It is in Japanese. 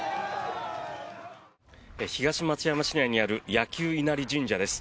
東松山市内にある箭弓稲荷神社です。